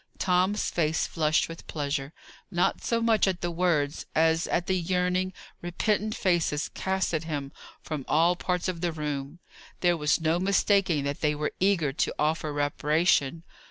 Tom's face flushed with pleasure; not so much at the words as at the yearning, repentant faces cast at him from all parts of the room. There was no mistaking that they were eager to offer reparation.